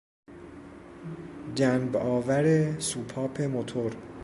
جنب آور سوپاپ موتور